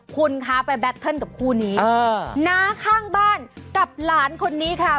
คุณคะไปแบตเทิร์นกับคู่นี้น้าข้างบ้านกับหลานคนนี้ค่ะ